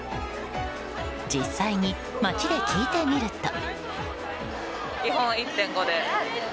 実際に街で聞いてみると。